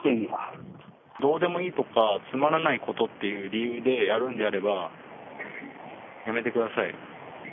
どうでもいいとか、つまらないことっていう理由でやるのであれば、やめてください。